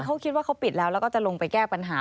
เพราะว่าเค้าปิดแล้วก็จะลงไปแก้ปัญหา